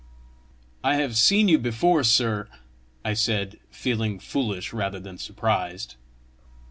"I have seen you before, sir," I said, feeling foolish rather than surprised.